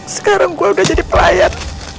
sekarang gue udah jadi pelayat